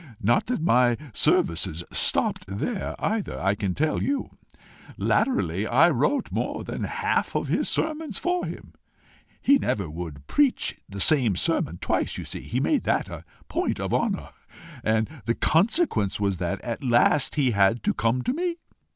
Not that my services stopped there either, I can tell you! Latterly I wrote more than half his sermons for him. He never would preach the same sermon twice, you see. He made that a point of honour; and the consequence was that at last he had to come to me.